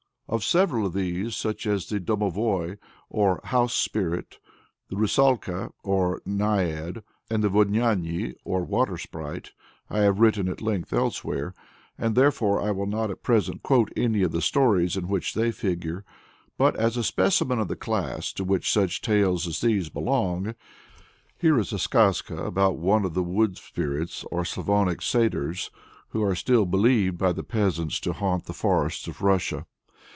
Of several of these such as the Domovoy or House Spirit, the Rusalka or Naiad, and the Vodyany or Water Sprite I have written at some length elsewhere, and therefore I will not at present quote any of the stories in which they figure. But, as a specimen of the class to which such tales as these belong, here is a skazka about one of the wood sprites or Slavonic Satyrs, who are still believed by the peasants to haunt the forests of Russia.